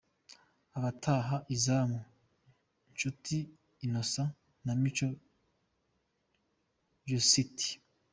Abataha izamu: Nshuti inosa na Mico Jusite.